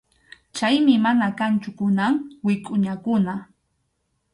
Chaymi mana kanchu kunan wikʼuñakuna.